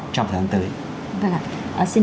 trong thời gian tới